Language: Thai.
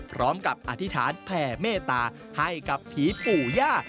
อธิษฐานแผ่เมตตาให้กับผีปู่ย่า